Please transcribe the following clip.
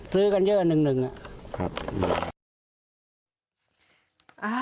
ซื้อกันเยอะหนึ่งอะ